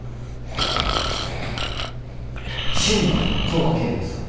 チームはどう分けるんですか？